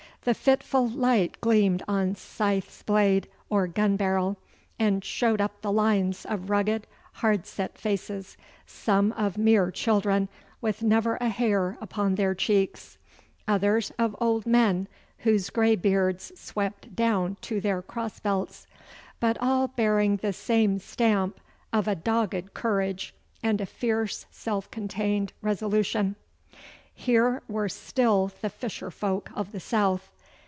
The fitful light gleamed on scythes blade or gun barrel, and showed up the lines of rugged, hard set faces, some of mere children with never a hair upon their cheeks, others of old men whose grey beards swept down to their cross belts, but all bearing the same stamp of a dogged courage and a fierce self contained resolution. Here were still the fisher folk of the south.